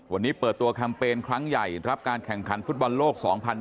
วันนี้เปิดตัวแคมเปญครั้งใหญ่รับการแข่งขันฟุตบอลโลก๒๐๒๐